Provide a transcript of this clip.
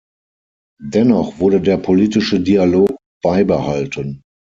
Dennoch wurde der politische Dialog beibehalten.